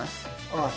ああ